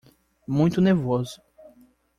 Muito nervoso